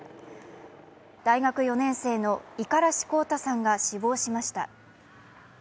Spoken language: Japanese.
大学４年生の五十嵐洸太さんが死亡しました。